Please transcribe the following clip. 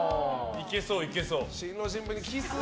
いけそう、いけそう。